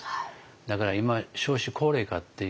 だから今少子高齢化っていう